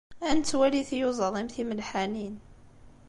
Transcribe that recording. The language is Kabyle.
Ad nettwali tiyuẓaḍ-im timelḥanin.